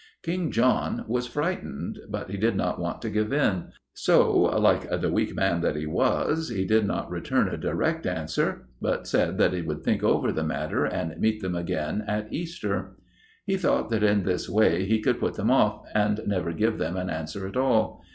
King John was frightened, but he did not want to give in; so, like the weak man that he was, he did not return a direct answer, but said that he would think over the matter, and meet them again at Easter. He thought that in this way he could put them off, and never give them an answer at all.